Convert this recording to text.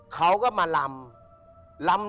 เขาก็มาลำ